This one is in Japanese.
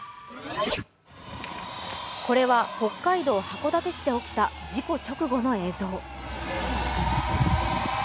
これは、北海道函館市で起きた事故直後の映像。